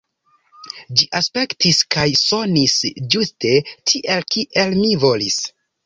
Ĝi aspektis kaj sonis ĝuste tiel, kiel mi volis.